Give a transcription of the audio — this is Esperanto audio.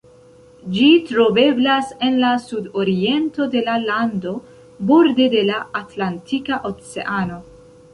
Ĝi troveblas en la sudoriento de la lando, borde de la Atlantika Oceano.